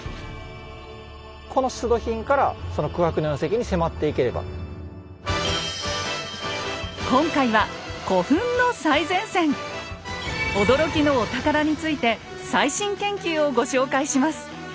この出土品から今回は驚きのお宝について最新研究をご紹介します。